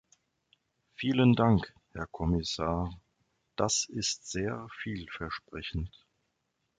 Vielen Dank Herr Kommissar, das ist sehr viel versprechend.